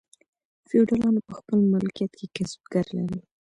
فیوډالانو په خپل مالکیت کې کسبګر لرل.